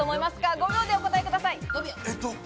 ５秒でお答えください。